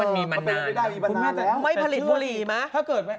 มันไม่ได้มีมันนานแล้ว